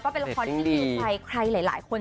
เป็นตอนที่ยืมใจทุกคน